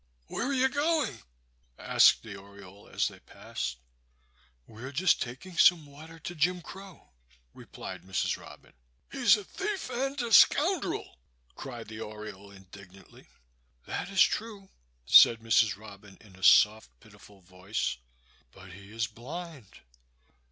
"Where are you going?" asked the oriole, as they passed. "We're just taking some water to Jim Crow," replied Mrs. Robin. "He's a thief and a scoundrel!" cried the oriole, indignantly. "That is true." said Mrs. Robin, in a soft, pitiful voice; "but he is blind."